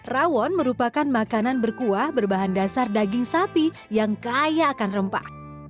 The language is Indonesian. rawon merupakan makanan berkuah berbahan dasar daging sapi yang kaya akan rempah